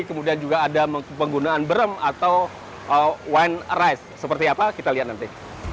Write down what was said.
kemudian juga ada penggunaan berem atau wine rice seperti apa kita lihat nanti